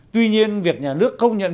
tuy nhiên việc nhà nước công nhận